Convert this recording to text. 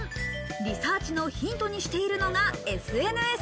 リサーチのヒントにしているのがＳＮＳ。